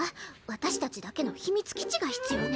私たちだけの秘密基地が必要ね！